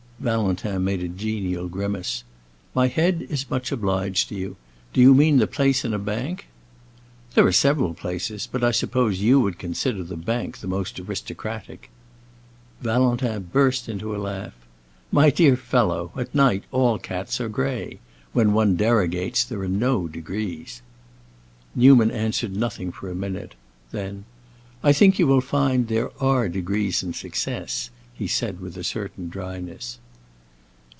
Valentin made a genial grimace. "My head is much obliged to you. Do you mean the place in a bank?" "There are several places, but I suppose you would consider the bank the most aristocratic." Valentin burst into a laugh. "My dear fellow, at night all cats are gray! When one derogates there are no degrees." Newman answered nothing for a minute. Then, "I think you will find there are degrees in success," he said with a certain dryness.